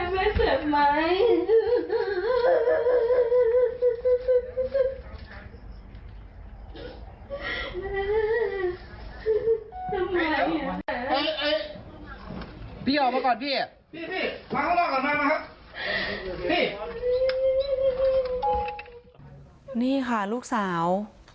นี่ค่ะลูกสาว